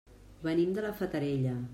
Venim de la Fatarella.